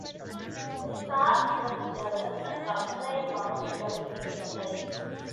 His task was to develop a submarine-launched ballistic missile.